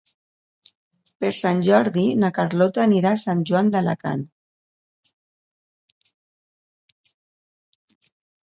Per Sant Jordi na Carlota anirà a Sant Joan d'Alacant.